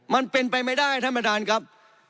มันเป็นไปไม่ได้ท่านประธานครับ